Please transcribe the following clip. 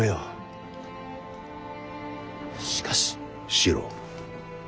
四郎。